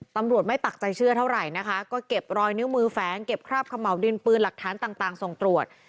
ตำรวจไม่ปักใจเชื่อเท่าไหร่นะคะก็เก็บรอยนิ้วมือแฝงเก็บคราบขม่าวดินปืนหลักฐานต่างส่งตรวจ